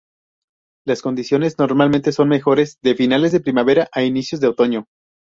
Las condiciones normalmente son mejores de finales de primavera a inicios de otoño.